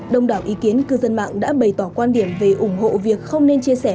đông đảo ý kiến cư dân mạng đã bày tỏ quan điểm về ủng hộ việc không nên chia sẻ